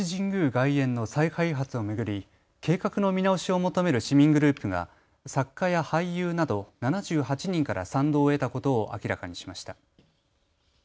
外苑の再開発を巡り計画の見直しを求める市民グループが作家や俳優など７８人から賛同を得たことを明らかにしました。